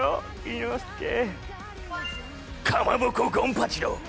伊之助かまぼこ権八郎！